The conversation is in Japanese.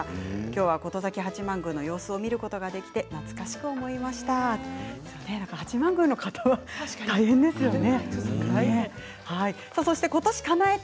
琴崎八幡宮の様子を見ることができて懐かしく思いました。